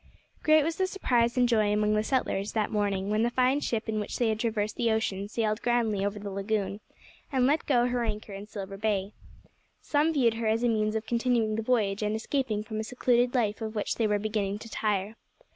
Great was the surprise and joy among the settlers that morning when the fine ship in which they had traversed the ocean sailed grandly over the lagoon, and let go her anchor in Silver Bay. Some viewed her as a means of continuing the voyage, and escaping from a secluded life, of which they were beginning to tire.